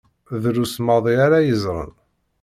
Drus maḍi ara yeẓṛen.